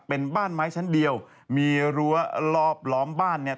เป็นบ้านไม้ชั้นเดียวมีรั้วรอบล้อมบ้านเนี่ย